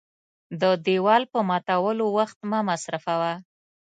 د دېوال په ماتولو وخت مه مصرفوه .